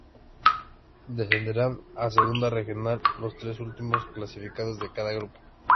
Descenderán a Segunda Regional los tres últimos clasificados de cada grupo.